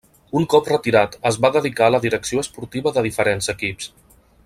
Un cop retirat es va dedicar a la direcció esportiva de diferents equips.